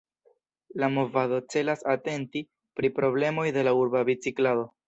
La movado celas atenti pri problemoj de la urba biciklado.